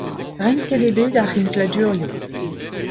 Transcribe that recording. Renket eo bet ar c'hinkladurioù.